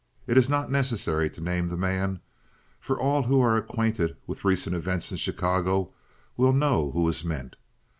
It is not necessary to name the man, for all who are acquainted with recent events in Chicago will know who is meant.